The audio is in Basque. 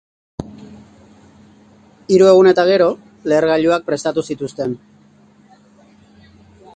Hiru egun eta gero, lehergailuak prestatu zituzten.